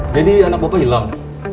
jadi anak bapak hilang